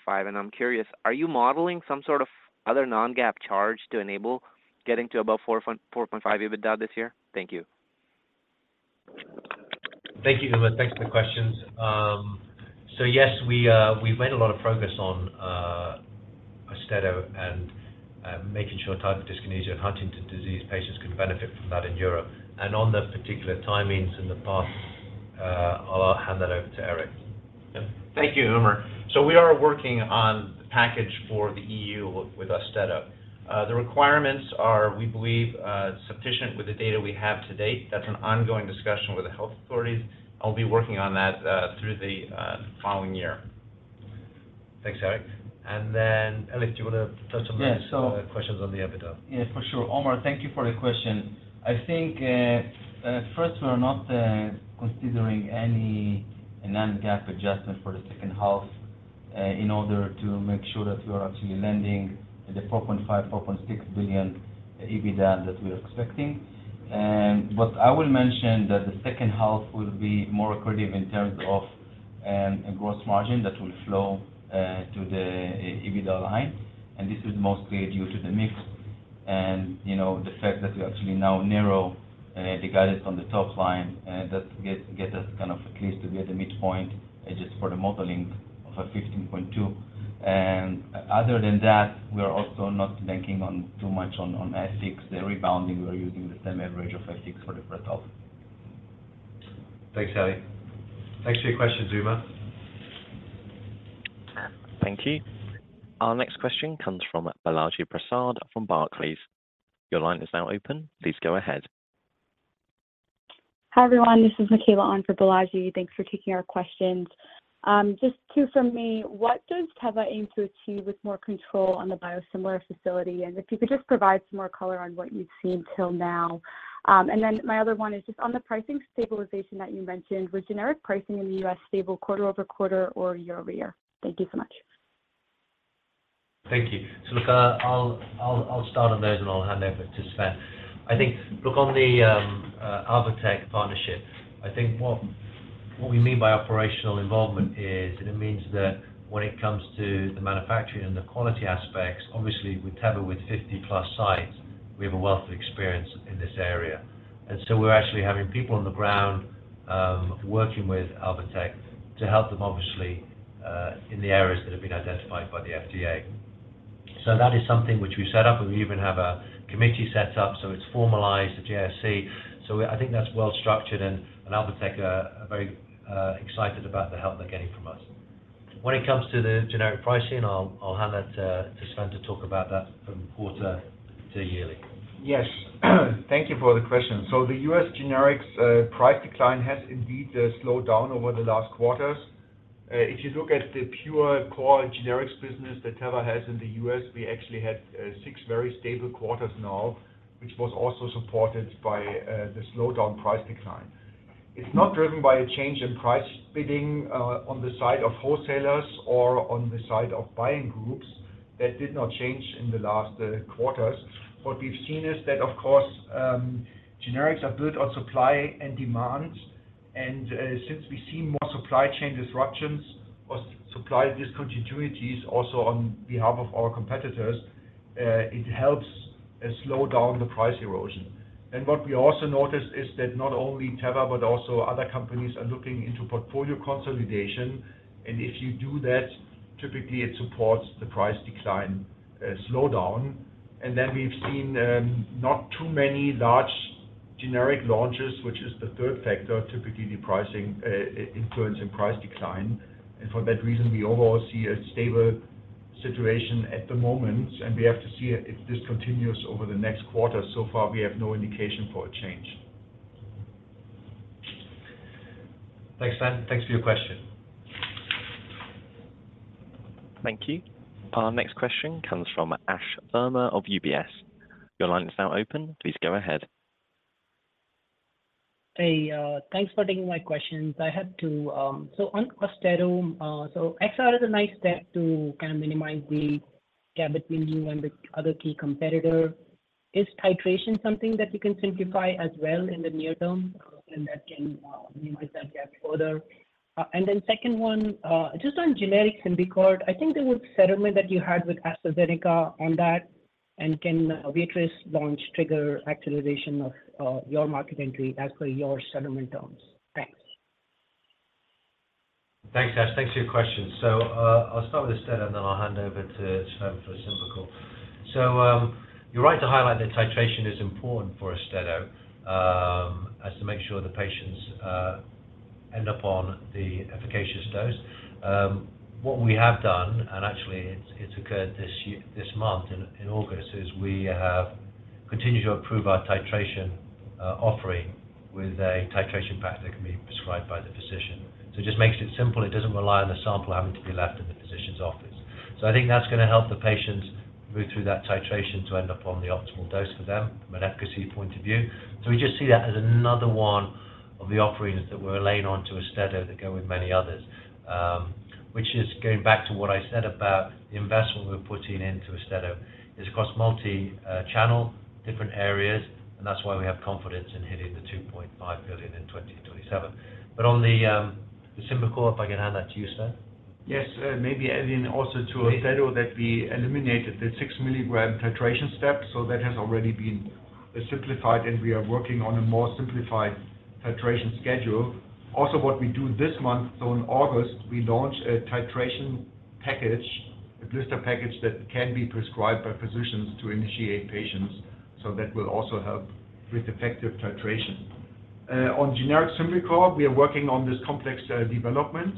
EBITDA this year? Thank you. Thank you, Umer. Thanks for the questions. Yes, we, we've made a lot of progress on Austedo and making sure tardive dyskinesia and Huntington's disease patients can benefit from that in Europe. On the particular timings in the past, I'll hand that over to Eric. Yeah. Thank you, Umer. We are working on the package for the EU with, with Austedo. The requirements are, we believe, sufficient with the data we have to date. That's an ongoing discussion with the health authorities. I'll be working on that through the following year. Thanks, Eric. Then, Eli, do you want to touch on the. Yeah. questions on the EBITDA? Yeah, for sure. Umer, thank you for the question. I think, first, we are not considering any non-GAAP adjustment for the second half, in order to make sure that we are actually landing at the $4.5 billion-$4.6 billion EBITDA that we are expecting. But I will mention that the second half will be more accretive in terms of a gross margin that will flow to the EBITDA line, and this is mostly due to the mix and, you know, the fact that we actually now narrow the guidance on the top line, that get, get us kind of at least to be at the midpoint, just for the modeling of a $15.2. Other than that, we are also not banking on too much on, on FX, the rebounding. We're using the same average of FX for the first half. Thanks, Eli. Thanks for your questions, Umar. Thank you. Our next question comes from Balaji Prasad from Barclays. Your line is now open. Please go ahead. Hi, everyone. This is Mikaela on for Balaji. Thanks for taking our questions. Just two from me: What does Teva aim to achieve with more control on the biosimilar facility? If you could just provide some more color on what you've seen till now. My other one is just on the pricing stabilization that you mentioned, was generic pricing in the U.S. stable quarter-over-quarter or year-over-year? Thank you so much. Thank you. Look, I'll, I'll, I'll start on those, and I'll hand over to Sven. I think, look, on the Alvotech partnership, I think what, what we mean by operational involvement is, it means that when it comes to the manufacturing and the quality aspects, obviously with Teva, with 50+ sites, we have a wealth of experience in this area. We're actually having people on the ground, working with Alvotech to help them, obviously, in the areas that have been identified by the FDA. That is something which we set up, and we even have a committee set up, so it's formalized, the JSC. I think that's well structured, and, and Alvotech are, are very excited about the help they're getting from us. When it comes to the generic pricing, I'll, I'll hand that to, to Sven to talk about that from quarter to yearly. Yes. Thank you for the question. The U.S. generics price decline has indeed slowed down over the last quarters. If you look at the pure core generics business that Teva has in the U.S., we actually had 6 very stable quarters now, which was also supported by the slowdown price decline. It's not driven by a change in price bidding on the side of wholesalers or on the side of buying groups. That did not change in the last quarters. What we've seen is that, of course, generics are built on supply and demand, and since we've seen more supply chain disruptions or supply discontinuities also on behalf of our competitors, it helps slow down the price erosion. What we also noticed is that not only Teva, but also other companies are looking into portfolio consolidation. If you do that, typically it supports the price decline, slowdown. We've seen, not too many large generic launches, which is the 3rd factor, typically the pricing, influence in price decline. For that reason, we overall see a stable situation at the moment, and we have to see if this continues over the next quarter. So far, we have no indication for a change. Thanks, Sven. Thanks for your question. Thank you. Our next question comes from Ashwani Verma of UBS. Your line is now open. Please go ahead. Hey, thanks for taking my questions. I had 2. On Austedo, so XR is a nice step to kind of minimize the gap between you and the other key competitor. Is titration something that you can simplify as well in the near term, and that can minimize that gap further? Then second one, just on generics and Symbicort, I think the settlement that you had with AstraZeneca on that, and can Viatris launch trigger activation of your market entry as per your settlement terms? Thanks. Thanks, Ash. Thanks for your questions. I'll start with Austedo, and then I'll hand over to Sven for Symbicort. You're right to highlight that titration is important for Austedo, as to make sure the patients end up on the efficacious dose. What we have done, and actually it's, it's occurred this year-- this month, in August, is we have continued to improve our titration offering with a titration pack that can be prescribed by the physician. It just makes it simple. It doesn't rely on the sample having to be left in the physician's office. I think that's going to help the patients move through that titration to end up on the optimal dose for them from an efficacy point of view. We just see that as another one of the offerings that we're laying on to Austedo that go with many others. Which is going back to what I said about the investment we're putting into Austedo, is across multi channel, different areas, and that's why we have confidence in hitting the $2.5 billion in 2027. On the Symbicort, if I can hand that to you, Sven. Yes, maybe adding also to Austedo that we eliminated the 6-milligram titration step, so that has already been simplified, and we are working on a more simplified titration schedule. Also, what we do this month, so in August, we launch a titration package, a blister package that can be prescribed by physicians to initiate patients, so that will also help with effective titration. On generic Symbicort, we are working on this complex development.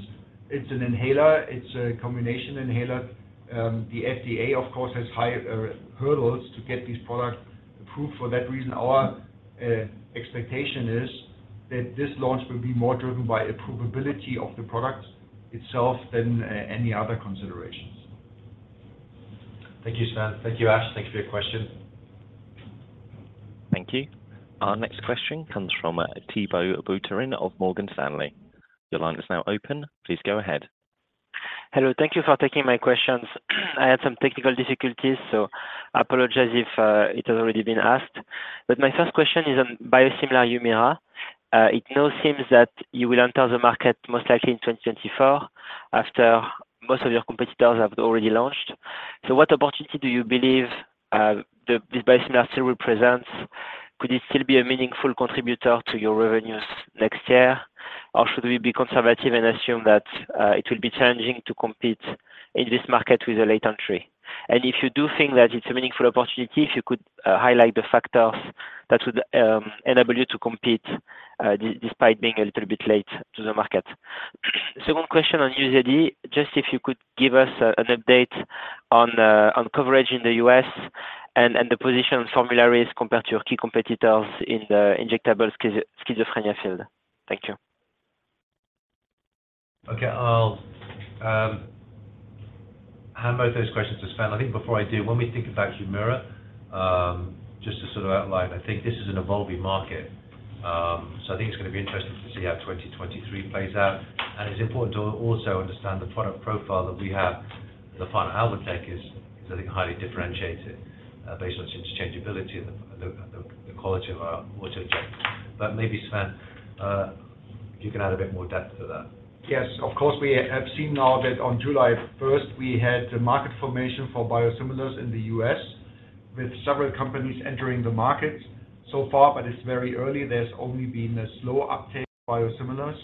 It's an inhaler. It's a combination inhaler. The FDA, of course, has high hurdles to get these products approved. For that reason, our expectation is that this launch will be more driven by approvability of the product itself than any other considerations. Thank you, Sven. Thank you, Ash. Thanks for your question. Thank you. Our next question comes from Thibault Boutherin of Morgan Stanley. Your line is now open. Please go ahead. Hello. Thank you for taking my questions. I had some technical difficulties, so I apologize if it has already been asked. My first question is on biosimilar Humira. It now seems that you will enter the market most likely in 2024, after most of your competitors have already launched. What opportunity do you believe this biosimilar still represents? Could it still be a meaningful contributor to your revenues next year, or should we be conservative and assume that it will be challenging to compete in this market with a late entry? If you do think that it's a meaningful opportunity, if you could highlight the factors that would enable you to compete despite being a little bit late to the market. Second question on Uzedy, just if you could give us, an update on the, on coverage in the U.S. and, and the position on formularies compared to your key competitors in the injectable schizophrenia field. Thank you. Okay, I'll hand both those questions to Sven. I think before I do, when we think about Humira, just to sort of outline, I think this is an evolving market. I think it's going to be interesting to see how 2023 plays out. And it's important to also understand the product profile that we have, the profile Alvotech is, is, I think, highly differentiated, based on its interchangeability and the, the, the quality of our autoinjector. Maybe, Sven, you can add a bit more depth to that. Yes, of course, we have seen now that on July 1st, we had the market formation for biosimilars in the U.S., with several companies entering the market so far, but it's very early. There's only been a slow uptake of biosimilars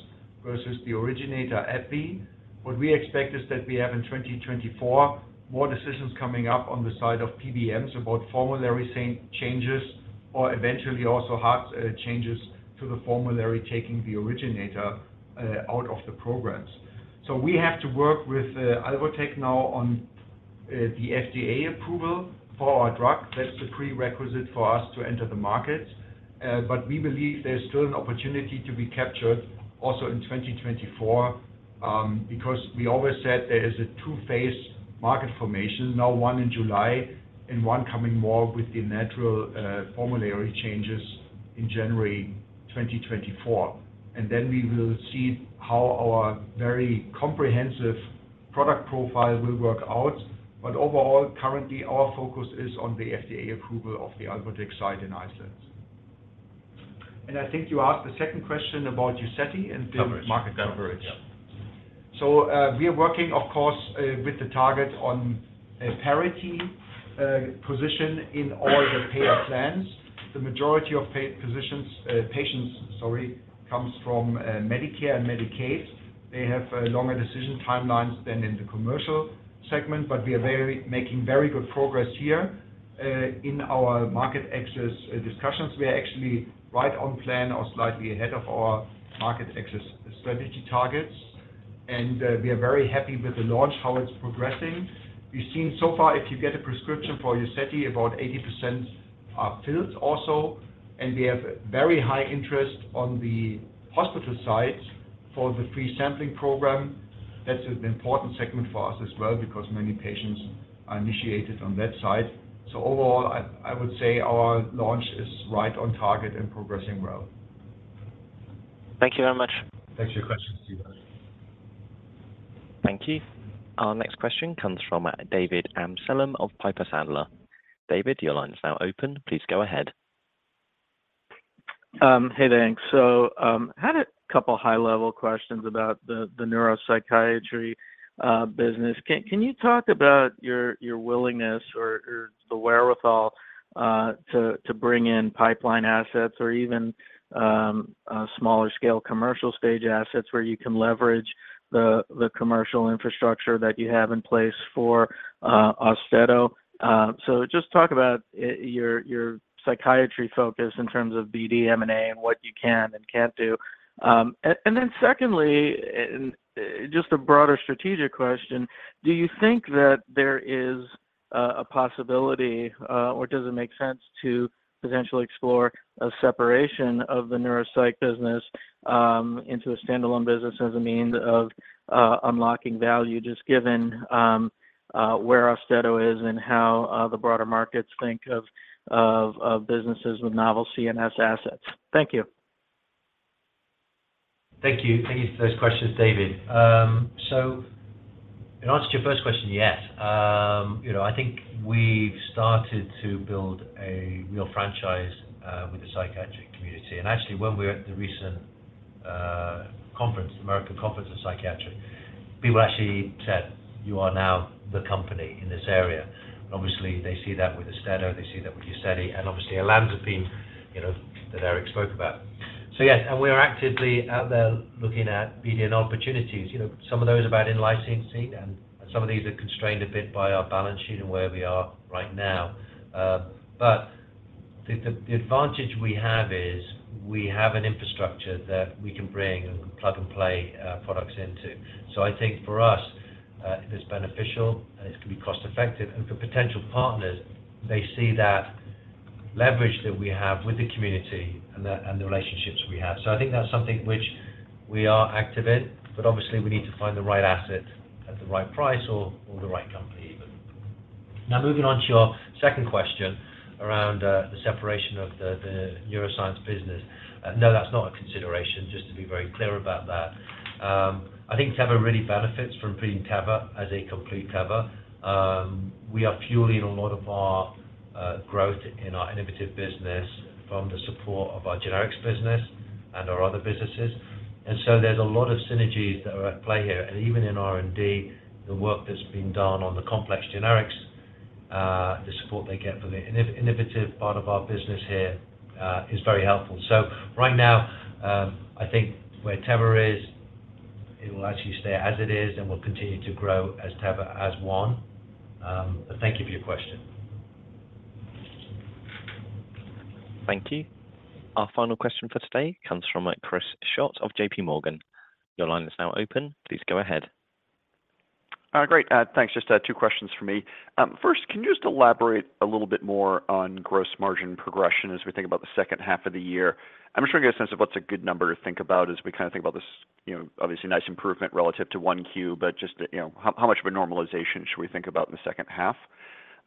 versus the originator, AbbVie. What we expect is that we have in 2024, more decisions coming up on the side of PBMs about formulary changes or eventually also hard changes to the formulary, taking the originator out of the programs. We have to work with Alvotech now on the FDA approval for our drug. That's the prerequisite for us to enter the market. We believe there's still an opportunity to be captured also in 2024, because we always said there is a two-phase market formation, now, one in July and one coming more with the natural formulary changes in January 2024. Then we will see how our very comprehensive product profile will work out. Overall, currently, our focus is on the FDA approval of the Alvotech site in Iceland. And I think you asked the second question about Uzedy and the. Coverage. market coverage. Yeah. We are working, of course, with the target on a parity position in all the payer plans. The majority of paid positions, patients, sorry, comes from Medicare and Medicaid. They have longer decision timelines than in the commercial segment, but we are making very good progress here. In our market access discussions, we are actually right on plan or slightly ahead of our market access strategy targets, and we are very happy with the launch, how it's progressing. We've seen so far, if you get a prescription for Uzedy, about 80% are filled also, and we have very high interest on the hospital side for the free sampling program. That's an important segment for us as well, because many patients are initiated on that side. Overall, I would say our launch is right on target and progressing well. Thank you very much. Thanks for your question, Steven. Thank you. Our next question comes from David Amsellem of Piper Sandler. David, your line is now open. Please go ahead. Hey, thanks. I had a couple high-level questions about the neuropsychiatry business. Can you talk about your willingness or the wherewithal to bring in pipeline assets or even smaller scale commercial stage assets, where you can leverage the commercial infrastructure that you have in place for Austedo? Just talk about your psychiatry focus in terms of BD M&A and what you can and can't do. Then secondly, just a broader strategic question, do you think that there is a possibility or does it make sense to potentially explore a separation of the neuropsych business into a standalone business as a means of unlocking value, just given where Austedo is and how the broader markets think of businesses with novel CNS assets? Thank you. Thank you. Thank you for those questions, David. In answer to your first question, yes. You know, I think we've started to build a real franchise with the psychiatric community. Actually, when we were at the recent American Conference of Psychiatry, people actually said, "You are now the company in this area." Obviously, they see that with Austedo, they see that with Uzedy, and obviously, Olanzapine, you know, that Eric spoke about. Yes, we are actively out there looking at BD and opportunities. You know, some of those are about in licensing, and some of these are constrained a bit by our balance sheet and where we are right now. The advantage we have is, we have an infrastructure that we can bring plug-and-play products into. I think for us, if it's beneficial, it can be cost-effective, and for potential partners, they see that leverage that we have with the community and the, and the relationships we have. I think that's something which we are active in, but obviously, we need to find the right asset at the right price or, or the right company, even. Now, moving on to your second question around the separation of the, the neuroscience business. No, that's not a consideration, just to be very clear about that. I think Teva really benefits from being Teva as a complete Teva. We are fueling a lot of our growth in our innovative business from the support of our generics business and our other businesses. So there's a lot of synergies that are at play here. Even in R&D, the work that's being done on the complex generics, the support they get from the innovative part of our business here, is very helpful. Right now, I think where Teva is, it will actually stay as it is, and we'll continue to grow as Teva as one. Thank you for your question. Thank you. Our final question for today comes from Chris Schott of J.P. Morgan. Your line is now open. Please go ahead. Great. Thanks. Just 2 questions for me. First, can you just elaborate a little bit more on gross margin progression as we think about the second half of the year? I'm just trying to get a sense of what's a good number to think about as we kind of think about this, you know, obviously nice improvement relative to 1Q, but just, you know, how, how much of a normalization should we think about in the second half?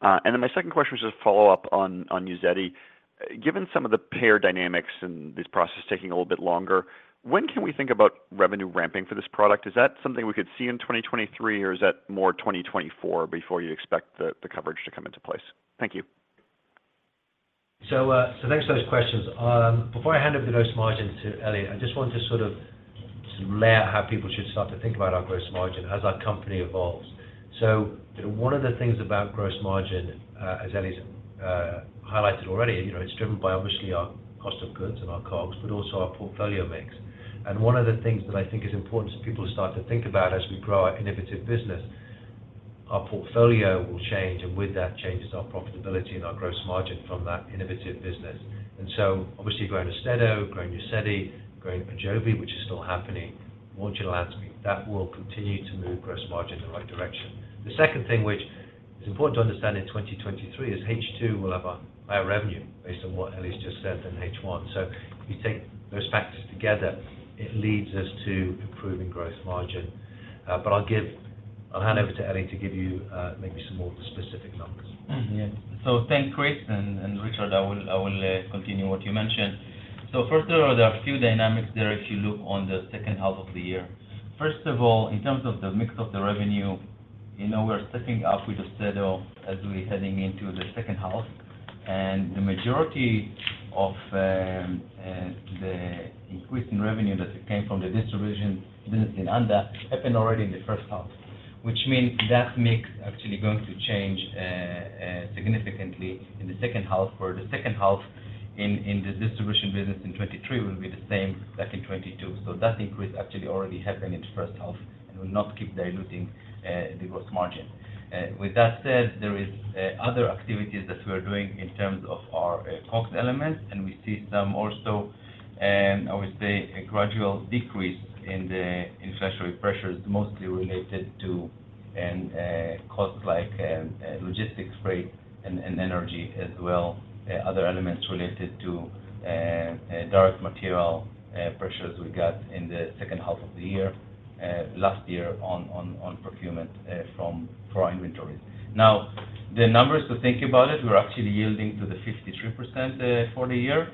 Then my second question is just a follow-up on Uzedy. Given some of the payer dynamics and this process taking a little bit longer, when can we think about revenue ramping for this product? Is that something we could see in 2023, or is that more 2024 before you expect the coverage to come into place? Thank you. Thanks for those questions. Before I hand over the gross margin to Eli, I just want to sort of lay out how people should start to think about our gross margin as our company evolves. One of the things about gross margin, as Eli's highlighted already, you know, it's driven by obviously our cost of goods and our COGS, also our portfolio mix. One of the things that I think is important for people to start to think about as we grow our innovative business, our portfolio will change, and with that changes our profitability and our gross margin from that innovative business. Obviously, growing Austedo, growing Uzedy, growing Ajovy, which is still happening, launch Olanzapine, that will continue to move gross margin in the right direction. The second thing, which is important to understand in 2023, is H2 will have a higher revenue based on what Eli's just said than H1. If you take those factors together, it leads us to improving gross margin. I'll hand over to Eli to give you maybe some more specific numbers. Yeah. Thanks, Chris, and, and Richard, I will, I will, continue what you mentioned. First, there are a few dynamics there if you look on the 2nd half of the year. First of all, in terms of the mix of the revenue,- You know, we're setting up with a set of as we're heading into the second half, and the majority of the increase in revenue that came from the distribution business in Anda happened already in the first half, which means that mix actually going to change significantly in the second half. For the second half in, in the distribution business in 2023 will be the same like in 2022. That increase actually already happened in the first half and will not keep diluting the gross margin. With that said, there are other activities that we are doing in terms of our COGS elements, and we see some also, I would say, a gradual decrease in the inflationary pressures, mostly related to costs like logistics, freight, and energy as well. Other elements related to direct material pressures we got in the second half of the year last year, on procurement for our inventories. Now, the numbers to think about it, we're actually yielding to the 53% for the year,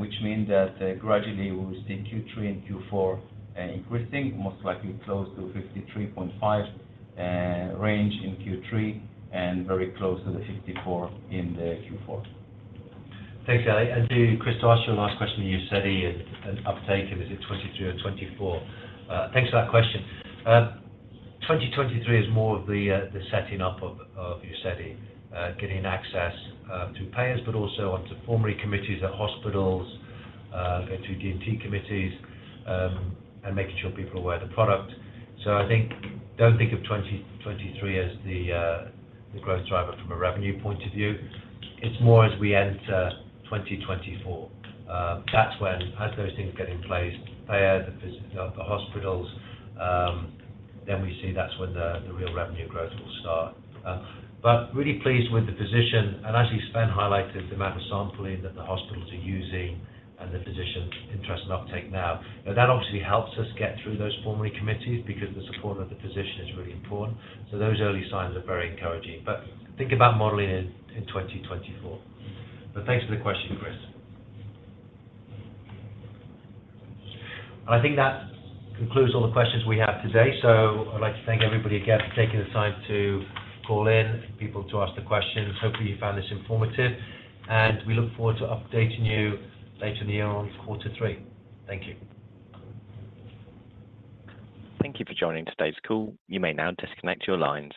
which means that gradually we will see Q3 and Q4 increasing, most likely close to 53.5% range in Q3 and very close to the 54% in the Q4. Thanks, Eli. To Chris, to ask you a last question, Uzedy and, and uptake, is it 2023 or 2024? Thanks for that question. 2023 is more of the setting up of Uzedy, getting access to payers, but also onto formulary committees at hospitals, go to P&T committees, and making sure people are aware of the product. I think, don't think of 2023 as the growth driver from a revenue point of view. It's more as we enter 2024, that's when as those things get in place, payer, the hospitals, then we see that's when the real revenue growth will start. Really pleased with the position, and as Sven highlighted, the amount of sampling that the hospitals are using and the physician interest and uptake now. That obviously helps us get through those formulary committees because the support of the physician is really important. Those early signs are very encouraging. Think about modeling in, in 2024. Thanks for the question, Chris. I think that concludes all the questions we have today. I'd like to thank everybody again for taking the time to call in, people to ask the questions. Hopefully, you found this informative, and we look forward to updating you later in the year on Q3. Thank you. Thank you for joining today's call. You may now disconnect your lines.